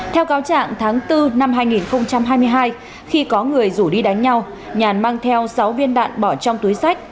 theo cáo trạng tháng bốn năm hai nghìn hai mươi hai khi có người rủ đi đánh nhau nhàn mang theo sáu viên đạn bỏ trong túi sách